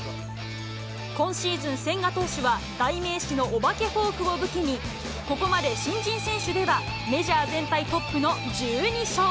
今シーズン、千賀投手は代名詞のお化けフォークを武器に、ここまで新人選手ではメジャー全体トップの１２勝。